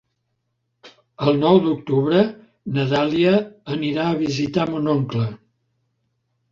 El nou d'octubre na Dàlia anirà a visitar mon oncle.